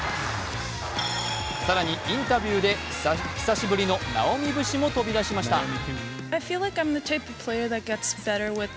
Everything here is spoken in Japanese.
更に、インタビューで久しぶりのなおみ節も飛び出しました。